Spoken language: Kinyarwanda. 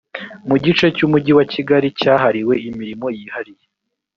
mu gice cy umujyi wa kigali cyahariwe imirimo yihariye